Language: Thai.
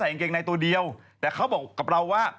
แต่กางเกงในตัวเดียวแต่เขาบอกกับเราว่า